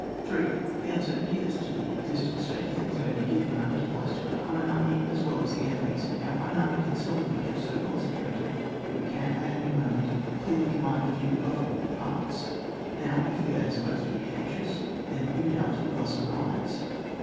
3'. The uncertainty as to the existing state of things at any given moment, applies to our own army as well as the enemy's. Our own army can seldom be kept so concentrated that we can at any moment clearly command a view of all parts. Now, if we are disposed to be anxious, then new doubts will thus arise.